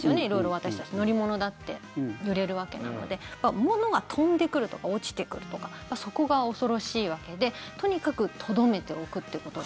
私たち乗り物だって揺れるわけなので物が飛んでくるとか落ちてくるとかそこが恐ろしいわけで、とにかくとどめておくということが。